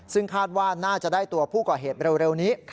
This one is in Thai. ซึ่งคาดว่าน่าจะได้ตัวผู้ก่อเหตุเร็วนี้